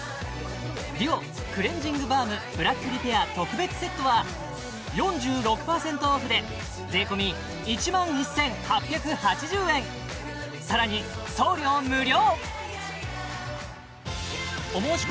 ＤＵＯクレンジングバームブラックリペア特別セットは４６％オフで税込１万１８８０円さらに送料無料！